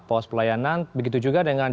postpelayanan begitu juga dengan